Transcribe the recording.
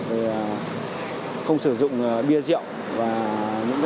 thì không sử dụng bia rượu và những cái